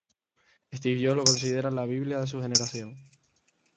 Steve Jobs lo consideraba la "Biblia" de su generación.